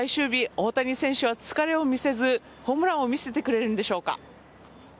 大谷選手は疲れを見せずホームランを見せてくれるのでしょうか。